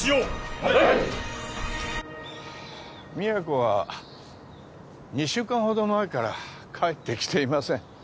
・はい美也子は２週間ほど前から帰ってきていません